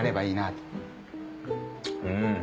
うん。